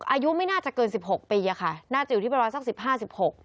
อายุไม่น่าจะเกิน๑๖ปีค่ะน่าจะอยู่ที่ประวัติศักดิ์๑๕๑๖